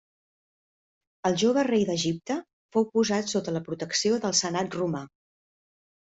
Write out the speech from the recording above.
El jove rei d'Egipte fou posat sota la protecció del senat romà.